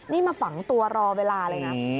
นี่มาฝังตัวรอเวลาเลยนะ